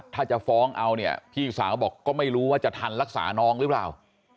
ถ้าจะฟ้องเอาเนี่ยพี่สาวบอกก็ไม่รู้ว่าจะทันรักษาน้องหรือเปล่า